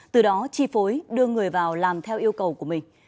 từ đó chi phối đưa người vào làm theo yêu cầu của mình